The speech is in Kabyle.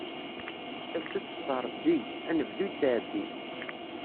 Tafsut tettṛebbi, anebdu ittɛebbi.